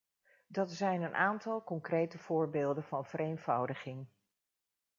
Dat zijn een aantal concrete voorbeelden van vereenvoudiging.